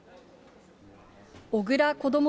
小倉こども